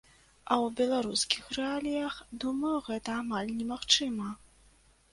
А ў беларускіх рэаліях, думаю, гэта амаль немагчыма.